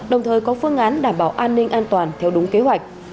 đồng thời có phương án đảm bảo an ninh an toàn theo đúng kế hoạch